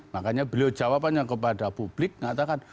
makanya beliau jawabannya kepada publik mengatakan